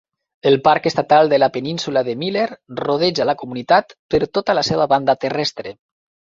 El parc estatal de la península de Miller rodeja la comunitat per tota la seva banda terrestre.